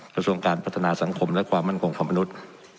กระทรวงการพัฒนาสังคมและความมั่นคงของมนุษย์